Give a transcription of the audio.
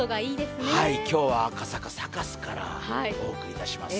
今日は赤坂サカスからお送りいたします。